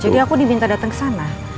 jadi aku diminta dateng kesana